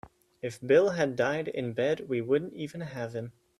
If Bill had died in bed we wouldn't even have him.